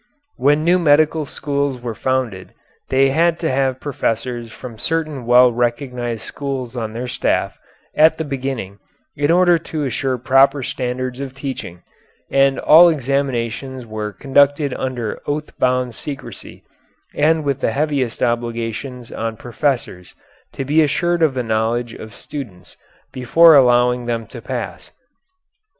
When new medical schools were founded they had to have professors from certain well recognized schools on their staff at the beginning in order to assure proper standards of teaching, and all examinations were conducted under oath bound secrecy and with the heaviest obligations on professors to be assured of the knowledge of students before allowing them to pass.